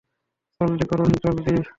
জলদি করুন, জলদি।